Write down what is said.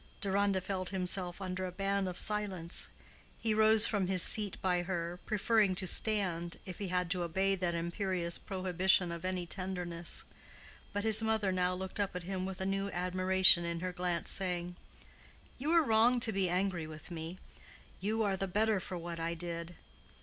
Deronda felt himself under a ban of silence. He rose from his seat by her, preferring to stand, if he had to obey that imperious prohibition of any tenderness. But his mother now looked up at him with a new admiration in her glance, saying, "You are wrong to be angry with me. You are the better for what I did."